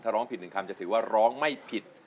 ถ้าร้องผิด๑คำคือจะร้องไม่ผิด